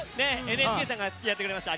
ＮＨＫさんがやってくれました。